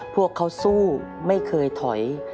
พวกเขาสู้ไม่เคยถอย